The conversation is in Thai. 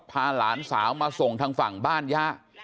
พาหลานสาวมาส่งทางฝั่งบ้านย่า